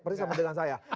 pertama dengan saya